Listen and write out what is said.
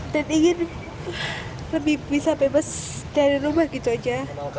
ingin lebih bisa bebas dari rumah gitu aja